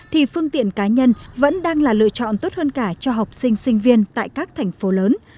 thì phương tiện cá nhân vẫn đang là lựa chọn tốt hơn cả cho học sinh sinh viên tại các thành phố lớn